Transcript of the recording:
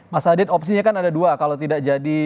mas adit opsinya kan ada dua kalau tidak jadi